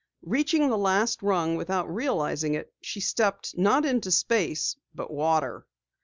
Reaching the last rung without realizing it, she stepped not into space, but water.